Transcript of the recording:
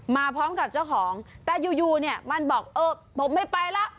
มาพร้อมกับเจ้าของแต่อยู่เนี่ยมันบอกเออผมไม่ไปแล้ว